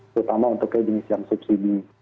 terutama untuk kejurusian subsidi